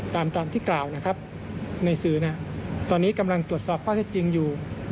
ตามที่กล่าวในสื่อตอนนี้กำลังตรวจสอบพวกเขาเจ้าจริงอยู่